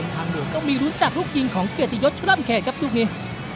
ต้องมีรุนจักรลูกยิงของเกตยศชุดร่ำแขกครับลูกนี้